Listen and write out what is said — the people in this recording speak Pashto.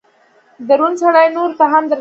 دروند سړئ نورو ته هم درانه ګوري